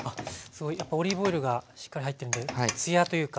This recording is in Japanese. やっぱオリーブオイルがしっかり入ってるんでツヤというか。